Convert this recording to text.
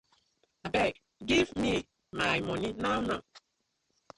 Abeg giv me my money now now.